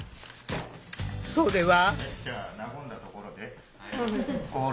それは。